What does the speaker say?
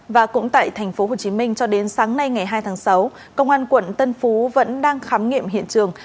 và cũng tại tp hcm cho đến sáng nay ngày hai tháng sáu công an quận tân phú vẫn đang khám nghiệm hiện trường